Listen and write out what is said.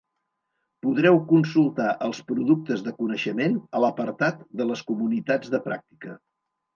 Podreu consultar els Productes de Coneixement a l'apartat de les Comunitats de Pràctica.